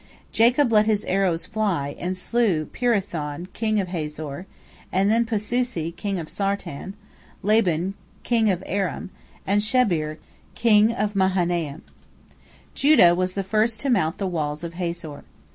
Jacob let his arrows fly, and slew Pirathon king of Hazor, and then Pasusi king of Sartan, Laban king of Aram, and Shebir king of Mahanaim. Judah was the first to mount the walls of Hazor.